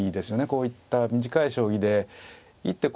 こういった短い将棋で一手